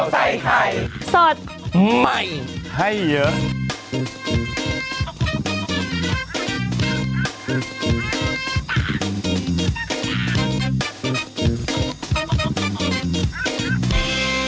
สวัสดีค่ะ